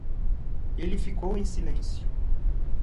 Ele ficou em silêncio